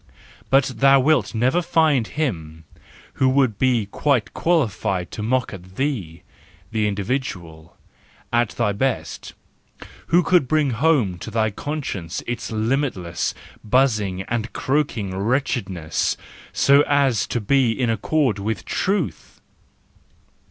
But thou wilt never find him who would be quite qualified to mock at thee, the individual, at thy best, who could bring home to thy conscience its limitless, buzzing and croaking wretchedness so as to be in accord with truth!